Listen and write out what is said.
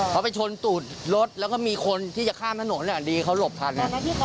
เขาไปชนตูดรถแล้วก็มีคนที่จะข้ามถนนดีเขาหลบทัน